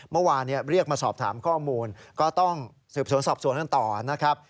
เมื่อวานเรียกมาสอบถามข้อมูลก็ต้องสืบสวนสอบสวนกันต่อนะครับ